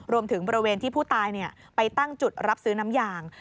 บริเวณที่ผู้ตายไปตั้งจุดรับซื้อน้ำยาง